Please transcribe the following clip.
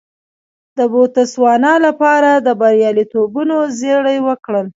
د بوتسوانا لپاره د بریالیتوبونو زړي وکرل.